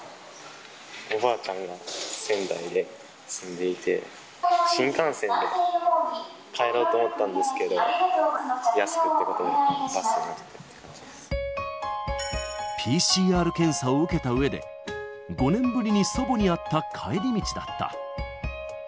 おばあちゃんが仙台に住んでいて、新幹線で帰ろうと思ったんですけど、安くってことで、バスに乗っＰＣＲ検査を受けたうえで、５年ぶりに祖母に会った帰り道だった。